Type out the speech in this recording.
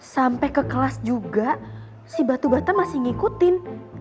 sampai ke kelas juga si batu bata masih ngikutin